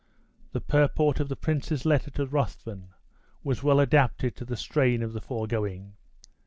The purport of the prince's letter to Ruthven was well adapted to the strain of the foregoing.